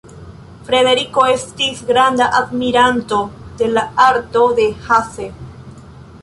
Frederiko estis granda admiranto de la arto de Hasse.